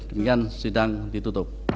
demikian sidang ditutup